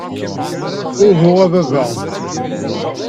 Uhu a baba!